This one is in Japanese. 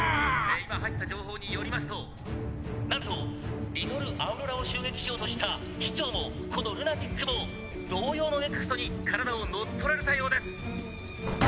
「今入った情報によりますとなんとリトルアウロラを襲撃しようとした市長もこのルナティックも同様のＮＥＸＴに体を乗っ取られたようです！」